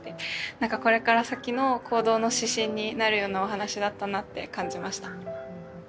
なんかこれから先の行動の指針になるようなお話だったなって感じました。